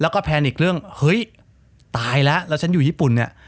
แล้วก็แพนิกเรื่องเฮ้ยตายแล้วแล้วฉันอยู่ญี่ปุ่นเนี่ย